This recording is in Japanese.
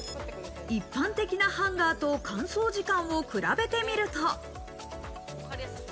一般的なハンガーと乾燥時間を比べてみると。